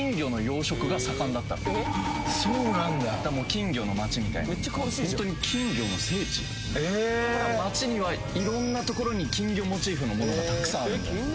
金魚の街みたいなホントに金魚の聖地ええ街には色んな所に金魚モチーフのものがたくさんあるんだよ